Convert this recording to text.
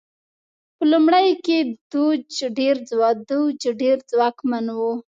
په لومړیو کې دوج ډېر ځواکمن و.